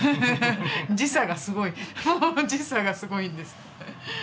時差がすごい時差がすごいんですよ。